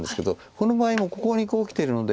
この場合もうここにこうきてるので。